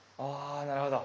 あなるほど。